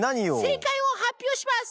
正解を発表します。